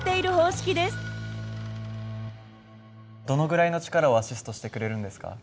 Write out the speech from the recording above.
どのぐらいの力をアシストしてくれるんですか？